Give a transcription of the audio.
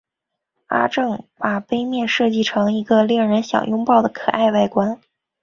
阿正把杯面设计成一个令人想拥抱的可爱外观。